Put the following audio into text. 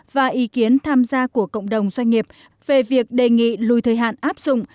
và ý kiến tham gia của cộng đồng doanh nghiệp về việc đề nghị lùi thời hạn áp dụng